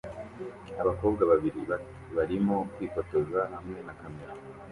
Abakobwa babiri bato barimo kwifotoza hamwe na kamera